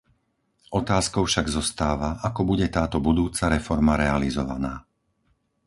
Otázkou však zostáva, ako bude táto budúca reforma realizovaná.